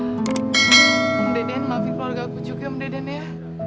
om deden maafin keluarga aku juga om deden ya